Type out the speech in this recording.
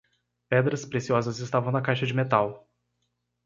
Pedras preciosas estavam na caixa de metal.